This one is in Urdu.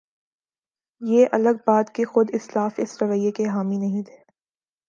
یہ الگ بات کہ خود اسلاف اس رویے کے حامی نہیں تھے۔